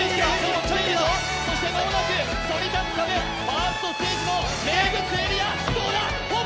そして間もなくそりたつ壁、ファーストステージの名物エリア。